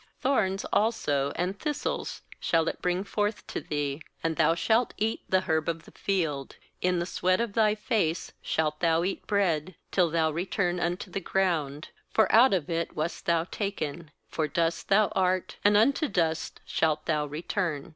18Thorns also and thistles shall it bring forth to thee; and thou shalt eat the herb of the field 19In the sweat of thy face shalt thou eat bread, till thou ret urn unto the ground; for out of it wast thou taken; for dust thou art, and unto dust shalt thou return.